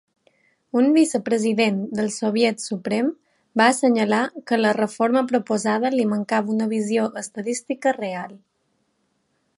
Un vicepresident del Soviet Suprem va assenyalar que a la reforma proposada li mancava una visió estadística real.